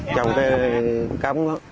trong cái cấm